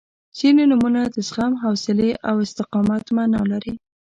• ځینې نومونه د زغم، حوصلې او استقامت معنا لري.